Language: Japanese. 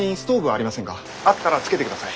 あったらつけてください。